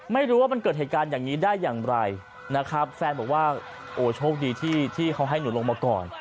ไม่รู้ว่ามันเกิดเหตุการณ์อย่างนี้ได้อย่างไรนะครับแฟนบอกว่าโอ้โชคดีที่ที่เขาให้หนูลงมาก่อน